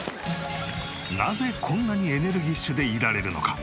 なぜこんなにエネルギッシュでいられるのか？